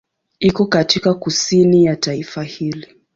Iko katika kusini ya taifa hili.